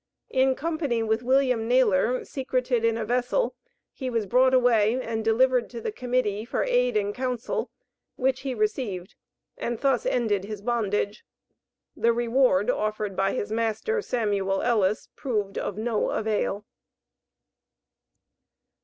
In company with William Naylor secreted in a vessel, he was brought away and delivered to the Committee for aid and counsel, which he received, and thus ended his bondage. The reward offered by his master, Samuel Ellis, proved of no avail.